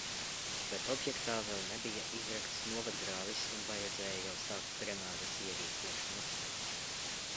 Bet objektā vēl nebija izrakts novadgrāvis un vajadzēja jau sākt drenāžas ierīkošanu.